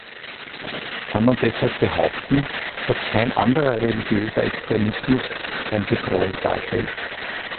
Kann man deshalb behaupten, dass kein anderer religiöser Extremismus ein Bedrohung darstellt?